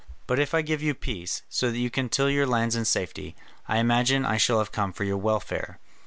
But if I give you peace, so that you can till your lands in safety, I imagine I shall have come for your welfare.